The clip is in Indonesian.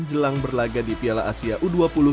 jelang berlaga di piala asia u dua puluh dua ribu dua puluh tiga